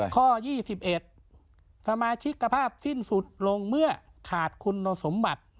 ข้อ๒๑สมาชิกภาพสิ้นสุดลงเมื่อขาดคุณสมบัติ